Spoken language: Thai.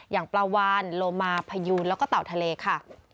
อย่างปลาวานโลมาพยูนแล้วก็เต่าทะเลค่ะ